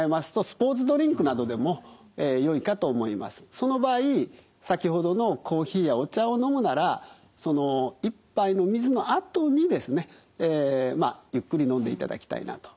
その場合先ほどのコーヒーやお茶を飲むならその１杯の水のあとにですねまあゆっくり飲んでいただきたいなと。